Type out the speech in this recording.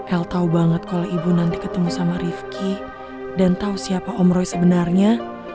el tahu banget kalau ibu nanti ketemu sama rifki dan tahu siapa om roy sebenarnya